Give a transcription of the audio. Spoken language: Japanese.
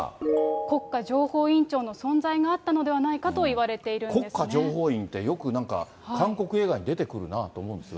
国家情報院長の存在があったのではないかと言われているんで国家情報院ってよくなんか、韓国映画に出てくるなと思うんですが。